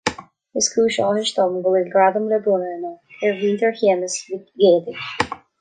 Is cúis áthais dom go bhfuil Gradam le bronnadh anocht ar Mhuintir Shéamuis Mhic Géidigh